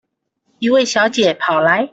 一位小姐跑來